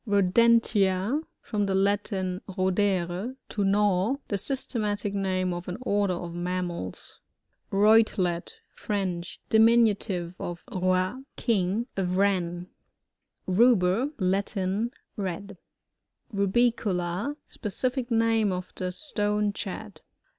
RoDENTiA — From the Latin, rodere, to gnaw. The systematic name of an order of mammals. RoiTELBT. — French. Diminntive of rot, a king. A Wren. Ruber. — Latin. Red. RasiooLA, — Specific name of the Stonechat.